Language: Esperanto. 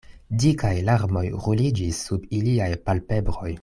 Dikaj larmoj ruliĝis sub iliaj palpebroj.